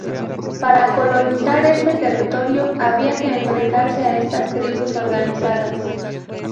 Para colonizar este territorio había que enfrentarse a estas tribus organizadas.